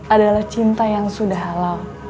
adalah cinta yang sudah halal